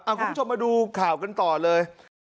คุณผู้ชมมาดูข่าวกันต่อเลย